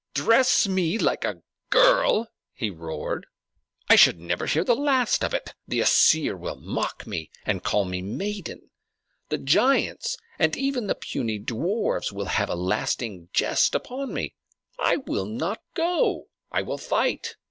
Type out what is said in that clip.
dress me like a girl!" he roared. "I should never hear the last of it! The Æsir will mock me, and call me 'maiden'! The giants, and even the puny dwarfs, will have a lasting jest upon me! I will not go! I will fight!